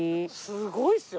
すごいですよ！